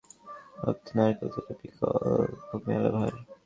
চুল শক্ত, ঝকঝকে এবং স্বাস্থ্যবান রাখতে নারকেল তেলের বিকল্প মেলা ভার।